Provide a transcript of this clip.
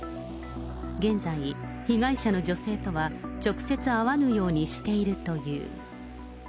現在、被害者の女性とは直接会わぬようにしているという。